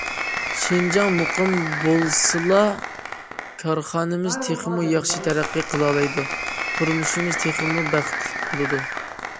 شىنجاڭ مۇقىم بولسىلا، كارخانىمىز تېخىمۇ ياخشى تەرەققىي قىلالايدۇ، تۇرمۇشىمىز تېخىمۇ بەختلىك بولىدۇ.